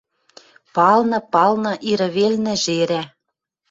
Палны, палны, ирӹ велнӹ жерӓ